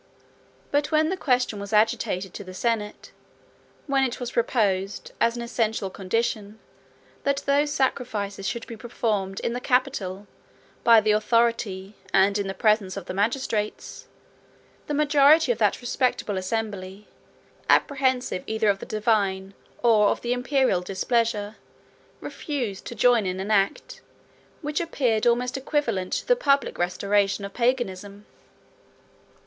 But when the question was agitated in the senate; when it was proposed, as an essential condition, that those sacrifices should be performed in the Capitol, by the authority, and in the presence, of the magistrates, the majority of that respectable assembly, apprehensive either of the Divine or of the Imperial displeasure, refused to join in an act, which appeared almost equivalent to the public restoration of Paganism.